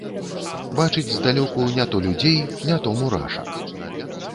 Бачыць здалёку не то людзей, не то мурашак.